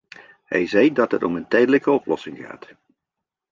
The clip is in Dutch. Hij zei dat het om een tijdelijke oplossing gaat.